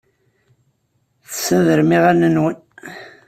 Tessadrem iɣallen-nwen.